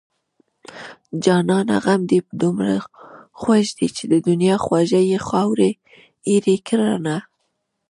جانانه غم دې دومره خوږ دی چې د دنيا خواږه يې خاورې ايرې کړنه